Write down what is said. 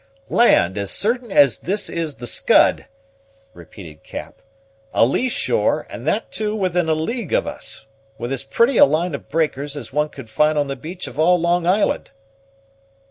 "Land, as certain as this is the Scud!" repeated Cap; "a lee shore, and that, too, within a league of us, with as pretty a line of breakers as one could find on the beach of all Long Island!"